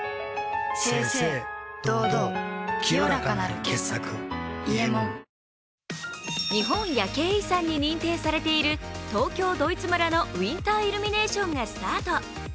清々堂々清らかなる傑作「伊右衛門」日本夜景遺産に認定されている東京ドイツ村のウインターイルミネーションがスタート。